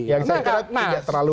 yang saya kira tidak terlalu